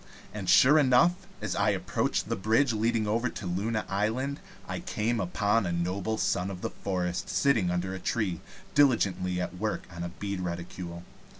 And sure enough, as I approached the bridge leading over to Luna Island, I came upon a noble Son of the Forest sitting under a tree, diligently at work on a bead reticule.